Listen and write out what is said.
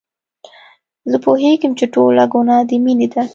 زه پوهېږم چې ټوله ګناه د مينې ده.